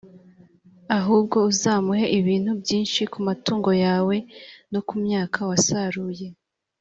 ahubwo uzamuhe ibintu byinshi ku matungo yawe no ku myaka wasaruye,